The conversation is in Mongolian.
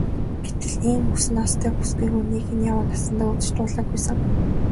Гэтэл ийм үс ноостой бүсгүй хүнийг энэ яваа насандаа үзэж дуулаагүй сэн.